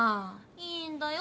いいんだよ